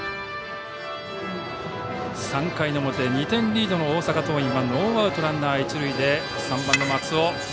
３回の表、２点リードの大阪桐蔭ノーアウト、ランナー、一塁で３番の松尾。